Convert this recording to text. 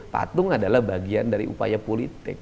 patung adalah bagian dari upaya politik